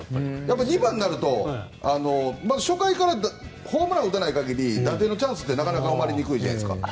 ２番になると初回からホームランを打たない限り打点のチャンスって生まれにくいじゃないですか。